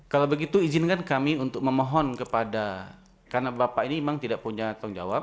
kalau begitu izinkan kami untuk memohon kepada karena bapak ini memang tidak punya tanggung jawab